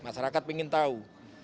masyarakat ingin tahu